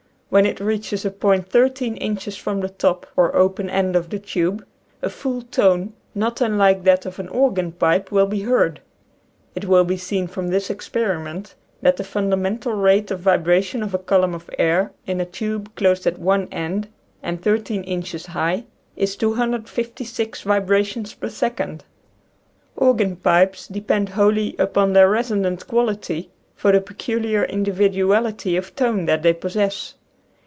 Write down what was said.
When it reaches a point thirteen inches from the top, or open end, of the tube, a full tone, not unlike that of an organ pipe, will be heard. It will be seen from this experiment that the fundamental rate of vibration of a column of air in a tube closed at one end, and thirteen inches high* is 256 vibrations per second. Organ pipes depend wholly upon their reso nant quality for the peculiar individuality of tone that they possess.